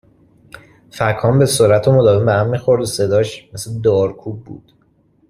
فَکهام به سرعت و مداوم به هم میخورد و صداش، مثل دارکوب بود